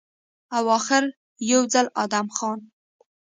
او اخر يو ځل ادم خان